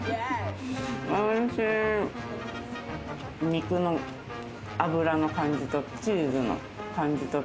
肉の脂の感じと、チーズの感じと。